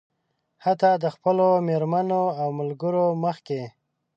حتيٰ د خپلو مېرمنو او ملګرو مخکې.